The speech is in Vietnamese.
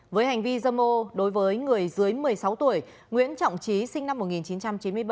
với hành vi dâm ô đối với người dưới một mươi sáu tuổi nguyễn trọng trí sinh năm một nghìn chín trăm chín mươi bảy